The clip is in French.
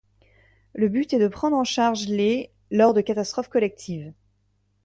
Le but est de prendre en charge les lors de catastrophes collectives.